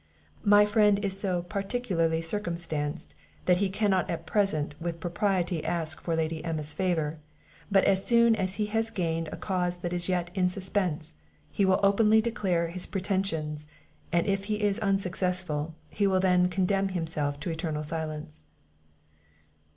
"My friend is so particularly circumstanced that he cannot at present with propriety ask for Lady Emma's favour; but as soon as he has gained a cause that is yet in suspence, he will openly declare his pretensions, and if he is unsuccessful, he will then condemn himself to eternal silence."